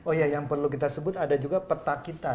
oh ya yang perlu kita sebut ada juga peta kita